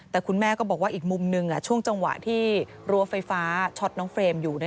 แต่คุณแม่ก็บอกว่าอีกมุมหนึ่งช่วงจังหวะที่รั้วไฟฟ้าช็อตน้องเฟรมอยู่